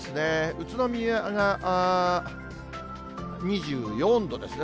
宇都宮が２４度ですね。